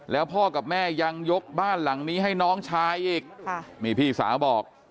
แล้วพ่อกับแม่ยังยกบ้านหลังนี้ให้น้องชายอีกค่ะนี่พี่สาวบอก